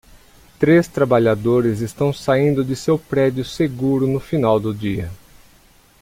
Três trabalhadores estão saindo de seu prédio seguro no final do dia.